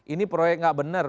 ini proyek gak benar